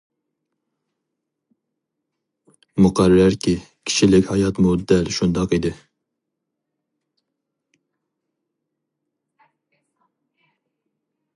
مۇقەررەركى، كىشىلىك ھاياتمۇ دەل شۇنداق ئىدى.